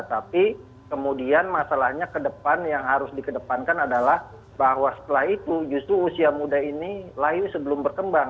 tapi kemudian masalahnya ke depan yang harus dikedepankan adalah bahwa setelah itu justru usia muda ini layu sebelum berkembang